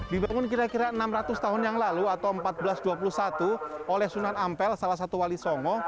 dibangun kira kira enam ratus tahun yang lalu atau seribu empat ratus dua puluh satu oleh sunan ampel salah satu wali songo